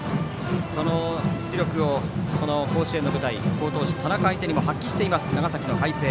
その実力をこの甲子園の舞台で好投手の田中相手に発揮しています、長崎の海星。